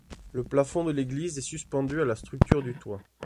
Le plafond de l'église est suspendu à la structure du toit.